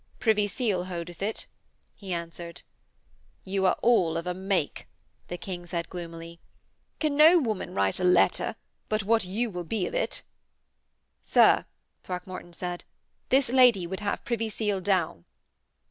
'Privy Seal holdeth it,' he answered. 'You are all of a make,' the King said gloomily. 'Can no woman write a letter but what you will be of it?' 'Sir,' Throckmorton said, 'this lady would have Privy Seal down.'